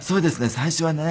最初はね